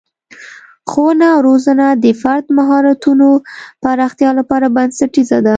ښوونه او روزنه د فرد د مهارتونو پراختیا لپاره بنسټیزه ده.